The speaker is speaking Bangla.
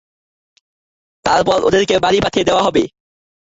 তারপর ওদেরকে বাড়ি পাঠিয়ে দেয়া হবে।